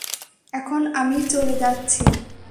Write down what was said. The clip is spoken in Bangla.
এখন আমি চলে যাচ্ছি।